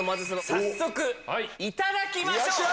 いただきましょう！